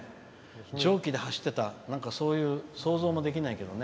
蒸気で走ってたって想像もできないけどね。